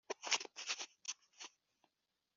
Uwaguze mu cyamunara yaba yaguze umutungo